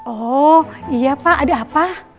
oh iya pak ada apa